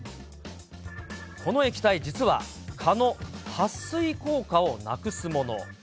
この液体、実は蚊のはっ水効果をなくすもの。